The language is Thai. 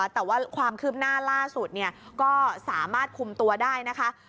แต่ว่าความคืบหน้าล่าสุดก็สามารถคุมตัวได้นะคะ